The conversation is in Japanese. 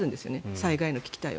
災害の危機対応を。